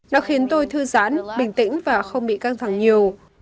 nó khiến tôi thư giãn bình tĩnh và không bị căng thẳng nhiều